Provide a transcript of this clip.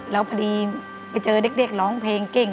แล้วพอดีไปเจอเด็กร้องเพลงเก่ง